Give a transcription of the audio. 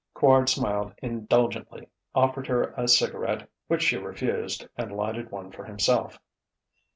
Quard smiled indulgently, offered her a cigarette, which she refused, and lighted one for himself.